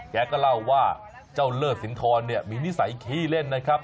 แกก็เล่าว่าเจ้าเลิศสินทรเนี่ยมีนิสัยขี้เล่นนะครับ